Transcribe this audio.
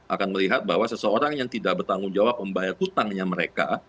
akan melihat bahwa seseorang yang tidak bertanggung jawab membayar hutangnya mereka